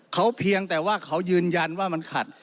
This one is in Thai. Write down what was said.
เขาเพียงแต่ว่าเขายืนยันว่ามันขัด